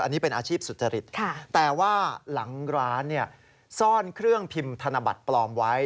อันนี้เป็นอาชีพสุจริตแต่ว่าหลังร้านซ่อนเครื่องพิมพ์ธนบัตรปลอมไว้